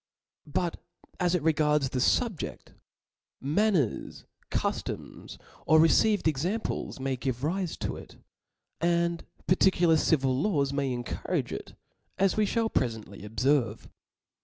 But as it regards the fubjeft; manners, cuftoms, or received exam ples may give rife to it, and particular civil laws may encourage it, as we (hall prefcntly obferve.